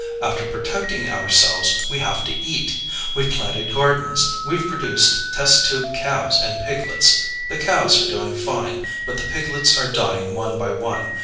After protecting ourselves we have to eat. We've planted gardens. We've produced test tube calves and piglets. The calves are doing fine, but the piglets are dying one by one.